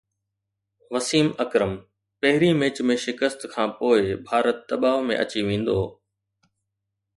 وسيم اڪرم پهرين ميچ ۾ شڪست کانپوءِ ڀارت دٻاءُ ۾ اچي ويندو